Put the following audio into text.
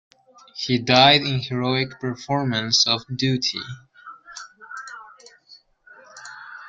He died in heroic performance of duty.